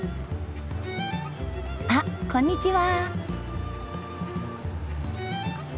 あっこんにちは。